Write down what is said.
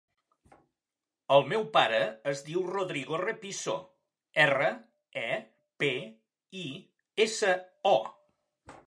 El meu pare es diu Rodrigo Repiso: erra, e, pe, i, essa, o.